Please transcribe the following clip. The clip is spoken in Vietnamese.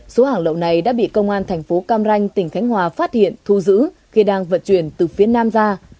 số hàng lậu này đã bị công an thành phố cam ranh tỉnh khánh hòa phát hiện thu giữ khi đang vận chuyển từ phía nam ra